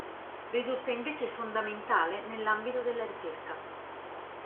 Risulta invece fondamentale nell'ambito della ricerca.